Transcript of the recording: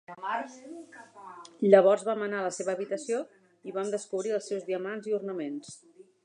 Llavors vam anar a la seva habitació i vam descobrir els seus diamants i ornaments.